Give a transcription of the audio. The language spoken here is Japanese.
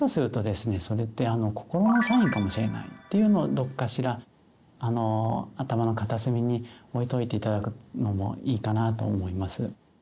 それって心のサインかもしれないっていうのをどこかしら頭の片隅に置いといて頂くのもいいかなと思います。